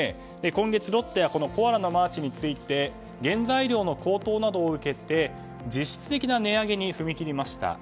今月ロッテはこのコアラのマーチについて原材料の高騰などを受けて実質的な値上げに踏み切りました。